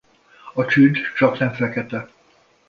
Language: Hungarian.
A csüd csaknem fekete.